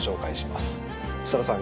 設樂さん